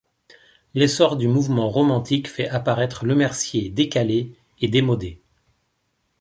L'essor du mouvement romantique fait apparaître Lemercier décalé et démodé.